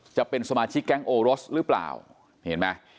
จะเป็นสมาชิกแก๊งโอรสหรือเปล่าเห็นไหม